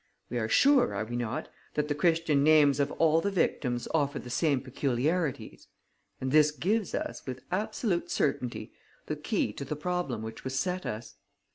We are sure, are we not, that the Christian names of all the victims offer the same peculiarities? And this gives us, with absolute certainty, the key to the problem which was set us.